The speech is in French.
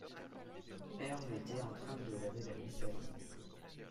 Herve était en train de laver la vaisselle.